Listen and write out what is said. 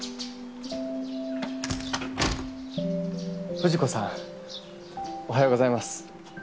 藤子さんおはようございます。